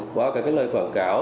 qua các cái loại quảng cáo